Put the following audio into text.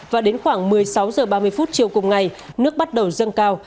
và đến khoảng một mươi sáu h ba mươi phút chiều cùng ngày nước bắt đầu dâng cao